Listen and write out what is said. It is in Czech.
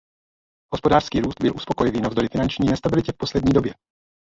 Hospodářský růst byl uspokojivý navzdory finanční nestabilitě v poslední době.